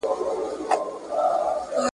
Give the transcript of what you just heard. که ښوونکي وروزل سي نو د زده کړي کیفیت به ښه سي.